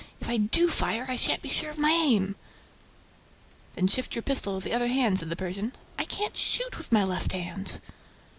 "If I do fire, I shan't be sure of my aim." "Then shift your pistol to the other hand," said the Persian. "I can't shoot with my left hand."